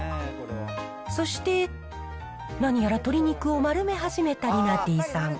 そして、何やら鶏肉を丸め始めたりなてぃさん。